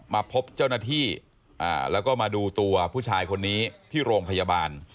มาพบเจ้าหน้าที่แล้วก็มาดูตัวผู้ชายคนนี้ที่โรงพยาบาล